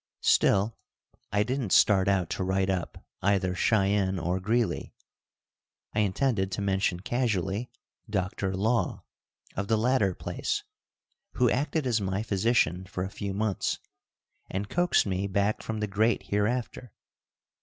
Still I didn't start out to write up either Cheyenne or Greeley. I intended to mention casually Dr. Law, of the latter place, who acted as my physician for a few months and coaxed me back from the great hereafter.